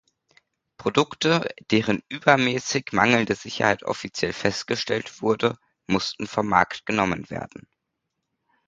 Produkte, deren übermäßig mangelnde Sicherheit offiziell festgestellt wurde, mussten vom Markt genommen werden.